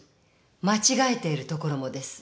間違えているところもです。